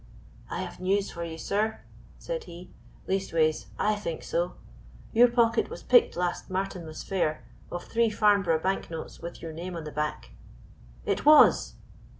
"I have news for you, sir," said he, "leastways I think so; your pocket was picked last Martinmas fair of three Farnborough bank notes with your name on the back." "It was!"